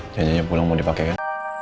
janjinya pulang mau dipakai kan